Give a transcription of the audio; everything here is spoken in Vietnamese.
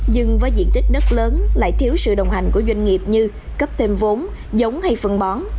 nhưng với diện tích nất lớn lại thiếu sự đồng hành của doanh nghiệp như cấp thêm vốn giống hay phân bón